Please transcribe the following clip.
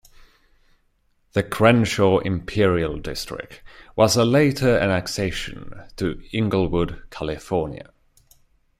The Crenshaw-Imperial district was a later annexation to Inglewood, California.